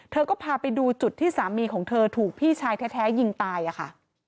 เธอก็พาไปดูจุดที่สามีของเธอถูกพี่ชายแท้ยิงตายอะค่ะ